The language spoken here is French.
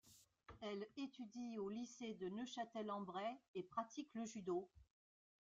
Elle étudie au lycée de Neufchâtel-en-Bray et pratique le judo.